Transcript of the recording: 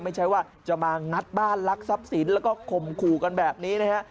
ไม่ใช่ว่าจะมางัดบ้านลักทรัพย์สินแล้วก็ข่มขู่กันแบบนี้นะฮะ